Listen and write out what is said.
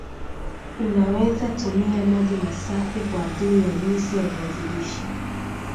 unaweza tumia maji masafi kwa ajili ya juisi ya viazi lishe